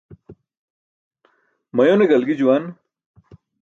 Mayone galgi juwan.